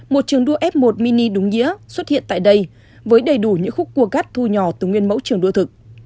một trường đua f một mini đúng nghĩa xuất hiện tại đây với đầy đủ những khúc cua gắt thu nhỏ từ nguyên mẫu trường đua thực